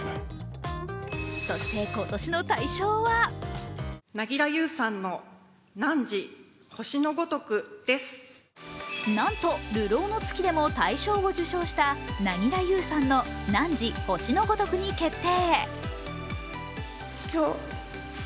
そして今年の大賞はなんと「流浪の月」でも大賞を受賞した凪良ゆうさんの「汝、星のごとく」に決定。